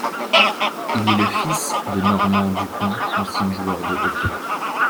Il est le fils de Normand Dupont, ancien joueur de hockey.